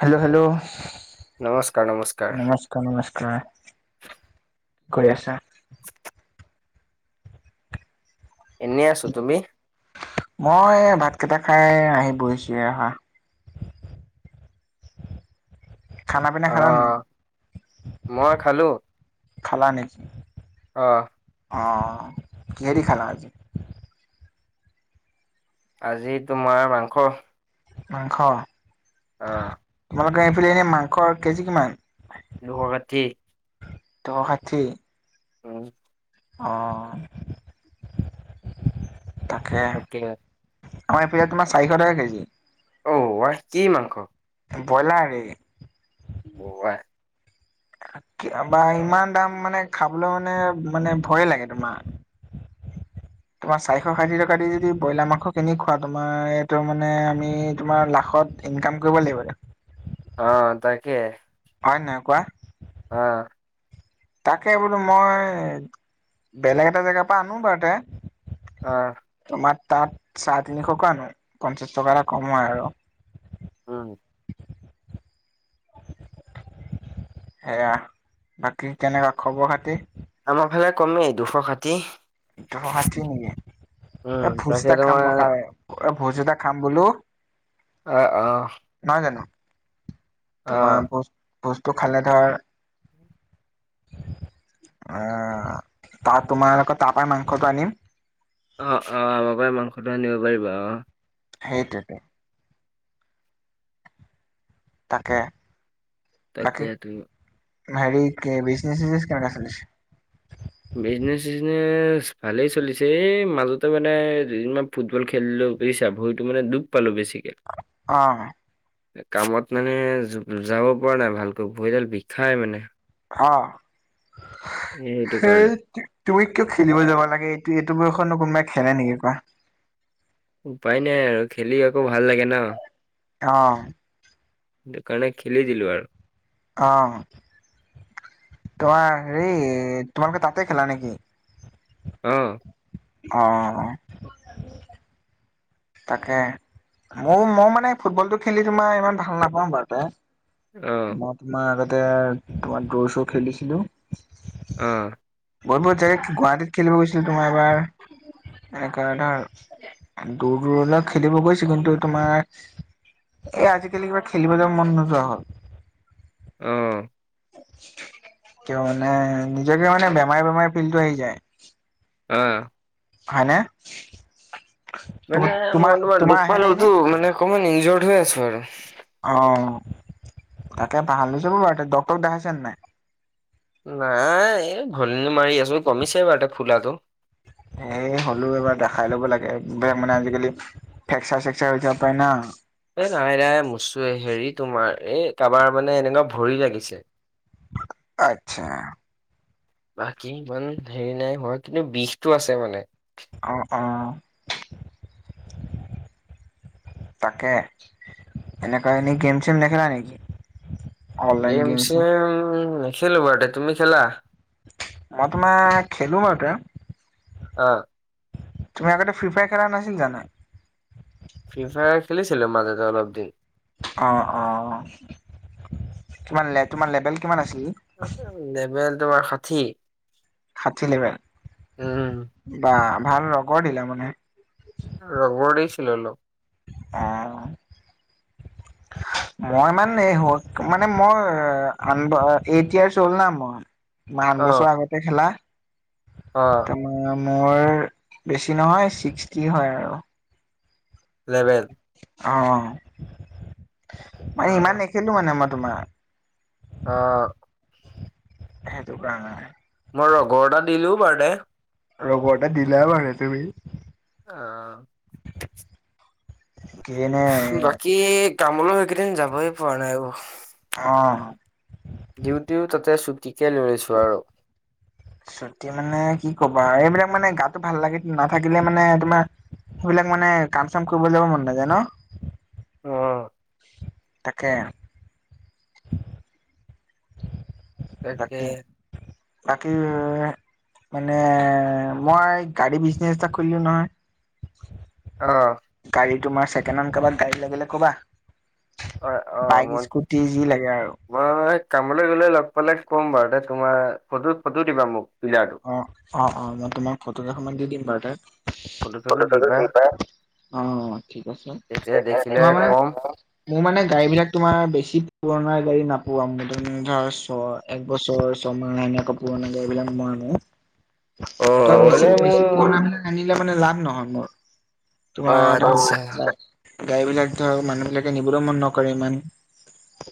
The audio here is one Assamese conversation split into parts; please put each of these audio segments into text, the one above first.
হেল্ল'! হেল্ল'! নমস্কাৰ, নমস্কাৰ। নমস্কাৰ। কি কৰি আছা? এনেই আছো। তুমি? মই এই ভাত কেইটা খাই আহি বহিছোহে। খানা পিনা খালা নে নাই? আহ মই খালো। অ'। অঁহ, কিহে দি খালা আজি? আজি তোমাৰ মাংস। মাংস? অঁহ। তোমালোকৰ এনে সেইফালে মাংসৰ কেজি কিমান? দুশ ষাঠি। দুশ ষাঠি? উম। অঁ, তাকে। অ' এই পিনে তোমাৰ চাৰিশ টকা কেজি। অহ ৱাই কি মাংস? ব্ৰইলাৰ নেকি? [unintelligible] বা ইমান দাম মানে খাবলৈ মানে মানে ভয়ে লাগে তোমাৰ। [inaudible] তোমাৰ চাৰিশ ষাঠি টকা দি যদি ব্ৰইলাৰ মাংস কিনি খোৱা, তোমাৰ এইটো মানে আমি তোমাৰ লাখত ইনকাম কৰিব লাগিব আৰু। অঁ, তাকে। হয় নাই কোৱা? অঁ। তাকে বোলো মই বেলেগ এটা জেগাৰ পৰা আনো বাৰুতে। আহ। তোমাৰ তাত চাৰে তিনিশ কৈ আনো, পঞ্চাশ টকা এটা কম হয় আৰু। উম। সেয়া বাকী কেনেকুৱা খবৰ-খাতি? আমাৰ ফালে কমেই দুশ ষাঠি। দুশ ষাঠি নেকি? এ উম ভোজ তাকে এটা খাম তোমাৰ ৰখা এ ভোজ এটা খাম বোলো। অ, অ। নহয় জানো, আহ তোমাৰ ভছ ভোজ খালে ধৰ অঁ, তাৰ তোমালোকৰ তাৰপাই মাংসটো আনিম। অ, অ, বাবাই মাংসটো আনিব পাৰিব অঁ। সেইটোৱেইতো। তাকে। বাকী তাকেতু। হেৰি কি বিজনেছ-চিজনেছ কেনেকুৱা চলিছে? বিজনেচ-চিজনেচ ভালেই চলিছে, এই মাজতে মানে দুদিনমান ফুটবল খেলিলোঁ বুজিছা, ভৰিটো মানে দুখ পালোঁ বেছিকৈ। অহ। কামত মানে য যাব পৰা নাই ভালকৈ, ভৰিডাল বিষাই মানে। অহ এই সেইটো সেই কাৰণে তুমি কিয় খেলিব যাব লাগে, এইটো-এইটো বয়সত ন কোনোবাই খেলে নেকি কোৱা? উপায় নাই আৰু, খেলি আকৌ ভাল লাগে ন। অহ। সেইকাৰণে খেলি দিলো আৰু। অহ, তোমাৰ হেৰি তোমালোকে তাতে খেলা নেকি? অহ। অহ। তাকে মই, মই মানে ফুটবলটো খেলি তোমাৰ ইমান ভাল নাপাওঁ বাৰুতে। অ মই তোমাৰ আগতে তোমাৰ দৌৰ-চ'ৰ খেলিছিলো। অঁ। বহুত-বহুত জেগাত গুৱাহাটীত খেলিব গৈছিলো, তোমাৰ এবাৰ। এনেকুৱা ধৰ দূৰ-দূৰলৈ খেলিব গৈছো, কিন্তু তোমাৰ এ আজিকালি কিবা খেলিবলে যাব মন নোযোৱা হ'ল। অ'। কিয় মানে নিজকে মানে বেমাৰি বেমাৰি ফিল্টো আহি যায়। অহ'। হয়নে? মানে তোমাৰ মই তোমাৰ দুখ আহে নে পালো এনে? টো, মানে অকমান ইন্জিঅৰ হৈ আছো আৰু। অঁ' তাকে ভাল হৈ যাব বাৰু, এতিয়া ডক্টৰক দেখাইছা নে নাই? নাই এই ঘনী মাৰি আছো, কমিছে বাৰু ফুলাটো। এই হ'লেও এবাৰ দেখাই ল'ব লাগে, বেলেগ মানে আজিকালি ফেকচাৰ চেকচাৰ হৈ যাব পাৰে না। এ, নাই নাই মচ্ছো হেৰি তোমাৰ, এই কাৰ'বাৰ মানে এনেকুৱা ভৰি লাগিছে। আচ্ছা। বাকী ইমান হেৰি নাই হোৱা কিন্তু বিষটো আছে মানে। অ', অ'। তাকে। এনেকা এনে গেম চেম নেখেলা নেকি? গেম চেম নেখেলো বাৰুতে। তুমি খেলা? মই তোমাৰ খেলো বাৰুতে। অ'। তুমি আগতে ফ্ৰী ফায়াৰ খেলা নাছিল জানো। ফ্ৰী ফায়াৰ খেলিছিলোঁ মাজতে অলপ দিন। অ', অ' তোমাৰ লে তোমাৰ লেবেল কিমান আছিল? [unintelligible] লেভেল তোমাৰ ষাঠি। ষাঠি লেভেল, উম বা ভাল ৰগৰ দিলা মানে। ৰ'বৰ দিছিলোঁ অলপ। অ'। মই মানে হ'ল, মানে মোৰ আঠ ব, এইট ইয়েছ হ'ল না মই। কিমান অ বছৰ আগতে খেলা। অ'। [unintelligible] মোৰ বেছি নহয়, ছিক্সটি হয় আৰু। লেভেল। অ' মানে অ ইমান নেখেলোঁ মানে মই তোমাৰ। অ'। সেইটো কাৰনে। মই ৰগৰ এটা দিলোঁ বাৰুতে। ৰগৰ এটা দিলা মানে তুমি। অ'। কিৰেনে বাকী কামলৈ এইকেইদিন যাবই পৰা নাই অ'। অ'। ডিউটিও তাতে চুটিকে লৈছোঁ আৰু। ছুটি মানে কি ক'বা, এইবিলাক মানে গাটো ভাল লাগি নাথাকিলে মানে তোমাৰ সেইবিলাক মানে কাম চাম কৰিব যাব মন নাযায় ন'? অ'। তাকে। তাকে বাকী, বাকী মানে মই গাড়ী বিজনেচ এটা খুলিলোঁ নহয়। অ'। গাড়ী তোমাৰ চেকেণ্ডহেণ্ড কাৰোবাক গাড়ী লাগিলে ক'বা। অ অ বাইক, মই স্কুটি যি লাগে আৰু। মই কামলৈ গলে লগ পালে ক'ম বাৰুদে, তোমাৰ ফটো ফটো দিবা মোক ডিলাৰটো। অ', অ', অ' মই তোমাক ফটো কেইখনমান দি দিম বাৰুতে। ফটো চটো দিবা, অ' ঠিক আছে। তেতিয়া দেখিলে তোমাৰ মানে কম মোৰ মানে গাড়ীবিলাক তোমাৰ বেছি পুৰণা গাড়ী নাপোৱাম মানে ধৰা ছয় এক বছৰ, ছমাহ এনেকুৱা পুৰণা গাড়ী বিলাক মই [unintelligible] অ [unintelligible] বেছি মানে মোৰ বেছি পুৰণাবিলাক আনিলে মানে লাভ নহয় মোৰ। তোমাৰ আচ্ছা আচ্ছা। গাড়ীবিলাক ধৰক মানুহবিলাকে নিবলৈও মন নকৰে ইমান।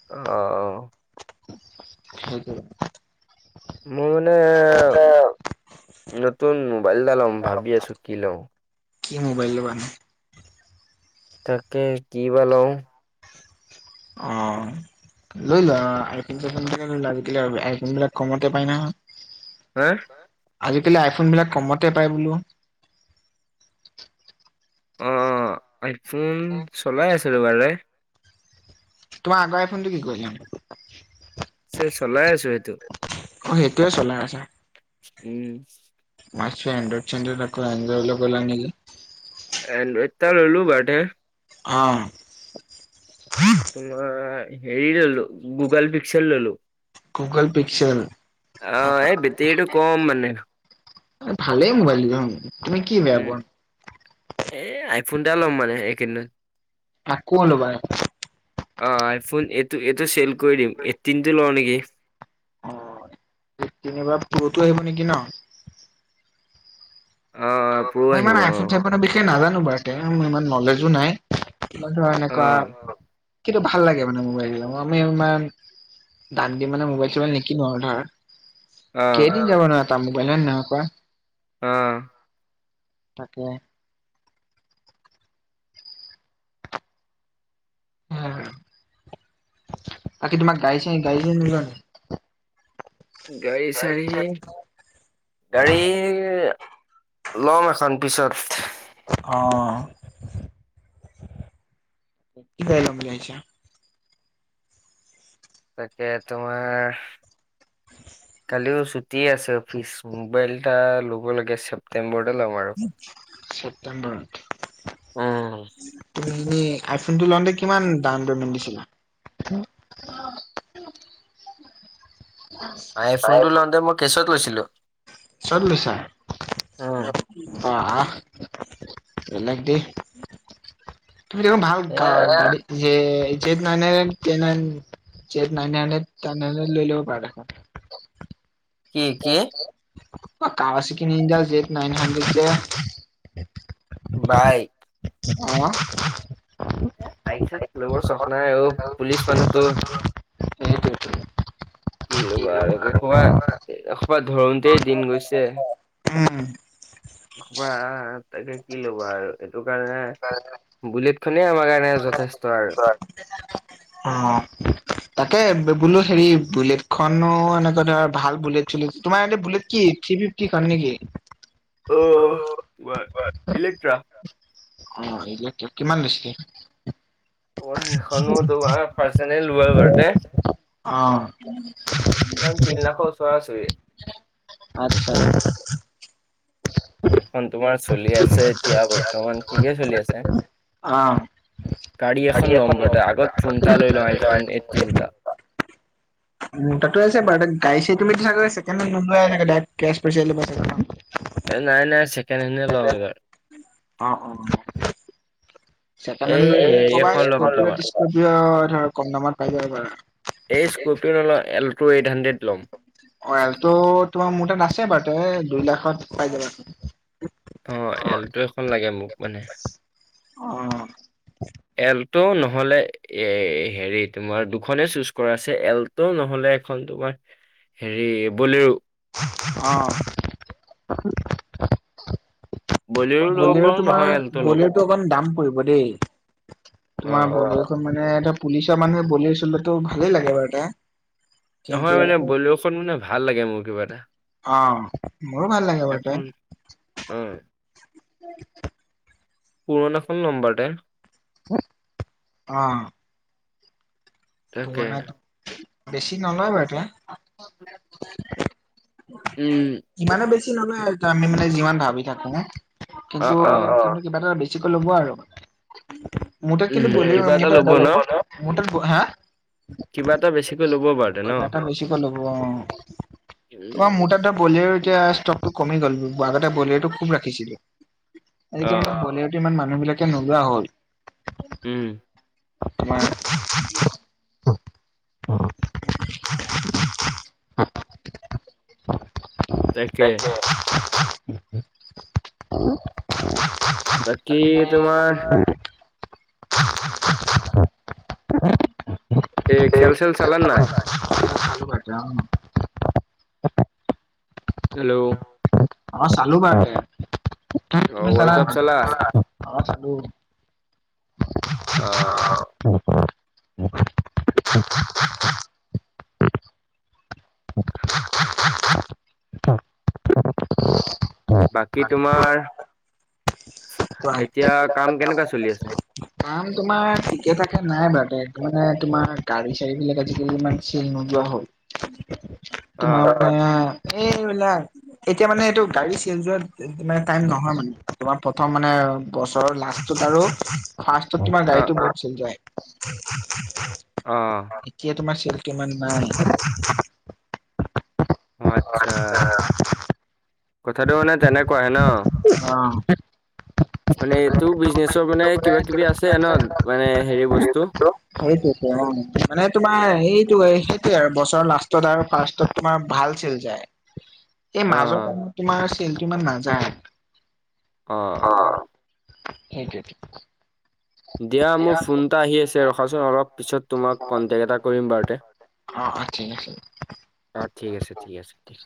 অ। সেইটোৱেই। মোৰ মানে। ে [unintelligible] নতুন মোবাইল এটা লম ভাবি আছো কি লওঁ কি মোবাইল ল'বা নো তাকে কি বা লওঁ অহ লৈ লোৱা আজিকালি আইফোন চাইফোন বিলাকে ল ই লোৱা আজি কালি আইফোন বিলাক কমতে পাই নহয় হা আজিকালি আইফোন বিলাক কমতে পায় বোলো। অ অ আইফোন চলাই আছিলো ভালে। তোমাৰ আগৰ আইফোনটো কি কৰিলানো। চে চলাই আছো সেইটো অ সেইটোৱেই চলাই আছো। উম মই ভাৱিছো এণ্ড্ৰইড চণ্ড্ৰইড এণ্ড্ৰইডলৈ গ'লা নি কি। এণ্ড্ৰইউ এটা ললো বাডে বাৰ্ড। অ তোমাৰ হেৰি ললো গুগল পিক্চৰ ললো গুগল পিক্সেল অ আহ এই বেটেৰীটো কম মানে ভালেই মোবাইল লম তুমি কি বেয়া উম পোৱা এ আইফোন এটা ল'ম মানে এই কেই দিনত আকৌ লবা আইফণ অ আইফোন এইটো এইটো চেল কৰি দিম এইটীনটো লওঁ নেকি যেনি বা প্ৰো টো আহিব নেকি ন অ প্ৰ' মই আহিব ইমান অ আইফোন চাইফোনৰ বিষয় নাজানো বাৰু মোৰ ইমান নলেজো নাই কিবা ধৰা এনেকুৱা অ কিন্তু ভাল লাগে মানে মোবাইল বিলাক আমি ইমান দাম দি মানে মোবাইল চোবাইল নিকিনো আৰু ধৰা অ', কেইদিন যাব ন এটা মোবাইল হয় নে নহয় কোৱা অ তাকে বাকী তোমাক গাড়ী চাৰি গাড়ী চাৰি নলোৱা নেকি গাড়ী চাৰি গাড়ী ল'ম এখন পিছত অ কি গাড়ী লম বুলি ভাবিছা তাকে তোমাৰ কালিও ছুটি আছে অফিচ মোবাইল এটা ল'ব লাগে ছেপটেম্বৰতে ল'ম আৰু ছেপ্টেম্বৰত উম, তুমি আইফোনটো লওঁতে কিমান দাম পেমেন্ট দিছিলা উ আইফোন টো লওঁতে মই কেছত লৈছিলো কেছত লৈছা আহ বেলেগ দে তুমি দেখোন ভাল এয়া গাড়ী যে জেত নহয় নে তেনে জেত নন ন তেনে লৈ লব পাৰা। কি কি আ কাৱাছাকি ইণ্ডিয়া জেত নাইন হাণ্ডেদ যে বাইক অহঁ এ বাইক চাইক লবৰ চোখ নাই অ পুলিচ মানুহতো। সেইটোৱেটো। কি উম। ল'বা আৰু এখোপা ধৰোতেই দিন গৈছে। উম কবা তাকে কি ল'বা আৰু এইটো কাৰণে হয় হয়। বুলেট খনেই আমাৰ কাৰণে যথেষ্ট আৰু। [unintelligible] অঁ, তাকে বোলো হেৰি বুলেটখনো এনেকে ধৰা ভাল বুলেট চুলেট তোমাৰ এইটো বুলেট কি থ্ৰী ফিফটি খন নেকি? অ', অঁ, ইলেক্ট্ৰা অঁ, ইলেক্ট্ৰা কিমান লৈছিলে? অহঁ সেইখনো তোমাৰ পাৰ্চনেল লোৱা এইবাৰতে। অ', প্ৰায় তিনি লাখৰ ওচৰা ওচৰি। আচ্ছা সেইখন তোমাৰ চলি আছে, এতিয়া বৰ্তমান কিহেৰে চলি আছে? অ'। গাড়ী এখন লমগতে, আগত ফোনটা লৈ লওঁ আইফোন এইটিন এটা। [unintelligible] উম তাতো আছে বাৰু গাড়ী চাৰি তমি চেকেণ্ড হেণ্ড নোলোৱা ডাইৰেক্ট কেছ পইচাই লবা চাগে ন। নাই নাই চেকেণ্ড হেণ্ড লম এইবাৰ। অঁ অঁ চেকেণ্ড হেণ্ড এই ললে মোক হেৰি কবা, এখন ল'ম তোমাৰ স্কৰপিঅ কম দামত পাই যাব পাৰা। এই স্কৰ্পিঅ' নলওঁ এল্টো এইট হাণ্ড্ৰেড ল'ম। অঁ এল্ট তোমাৰ মোৰ তাত আছে বাৰু দুই লাখত পাই যাবা। অ এল্ট এখন লাগে মোক মানে। অ', এল্ট নহলে এ হেৰি তোমাৰ দুখনে চুজ কৰা আছে এল্ট নহলে এখন তোমাৰ হেৰি বলেৰো। অঁ ল'ব বলেৰো পাৰো তোমাৰ, নহয় এল্ট' লম বলেৰো অকমান দাম পৰিব দেই। অ তোমাৰ মানে এটা পুলিচৰ মানুহে বলেৰো চলোৱাটো ভালেই লাগে বাৰু এটা। নহয় মানে বলেৰো খন মানে ভাল লাগে মোৰ কিবা এটা। অঁ, মোৰো ভাল লাগে বাৰু সেইতাই অঁ, পুৰণাখন নম্বৰতে। অঁ তাকে পুৰণা, বেছি নলয় বাৰু এতিয়া। উম। সিমানো বেছি নলয় আমি মানে যিমান ভাবি থাকো, অ কিন্তু অ কিবা এটা বেছিকৈ ল'ব আৰু, মোৰ তাত উম বলেৰু, কিবা মোৰ এটা তাত ল'ব বলেৰু ন কিন্তু মোৰ তাত হা কিবা এটা বেছিকৈ ল'ব বাৰুতে ন কিবা এটা বেছিকৈ ল'ব অঁ, উম তোমাৰ মোৰ তাত এতিয়া বলেৰো এতিয়া ষ্টক টো কমি গ'ল আগতে বলেৱোটো খুব ৰাখিছিলে। আজি অ কালি মানে বলেৱো টো ইমান মানুহ বিলাকে নোলোৱা হ'ল। উম। তোমাৰ [unintelligible] [unintelligible] তাকে। বাকী, তোমাৰ এই খেল-চেল চালা নাই? ত' ক' যাম। হেল্ল! অঁ, চালো বাৰু, তুমি ৱৰ্ল্ড চালা কাপ নাই? অঁ, চালোঁ। অ [unintelligible] বাকী তোমাৰ, কোৱা এতিয়া কাম কেনেকুৱা চলি আছে? মানে তোমাৰ ঠিকে-থাকে নাই বা দে মানে, তোমাৰ গাড়ী-চাড়ীবিলাক আজিকালি ইমান চেল নোযোৱা হ'ল। অ তোমাৰ মানে এইবিলাক এতিয়া মানে এইটো গাড়ী চেল যোৱা মানে টাইম নহয় মানে, তোমাৰ প্ৰথম মানে বছৰৰ লাষ্টটোত আৰু ফাৰ্ষ্টটোত তোমাৰ অ গাড়ীটো বহুত চেল যায়। অঁ। এতিয়া তোমাৰ চেলটো ইমান নাই। অঁ আচ্ছা, কথাটো মানে তেনেকুৱাহে ন'? অঁ। মানে, এইটো বিজনেচৰ মানে কিবা-কিবি আছে ন' মানে, হেৰি বস্তু? সেইটোৱেটো অঁ, মানে তোমাৰ সেইটো সেইটোৱে আৰু বছৰৰ লাষ্টত আৰু ফাৰ্ষ্টতত তোমাৰ ভাল চেল যায়। এই অ মাজৰ মাহত তোমাৰ চেলটো ইমান নাযায়। অ অঁ। সেইটোৱেটো। দিয়া মোৰ ফোন এটা আহি আছে। ৰখাচোন অলপ পিছত তোমাক কণ্ট্ৰেক্ট এটা কৰিম বাৰু দে অঁ, অঁ ঠিক আছে এতিয়া। অঁ ঠিক আছে, ঠিক আছে দিয়া।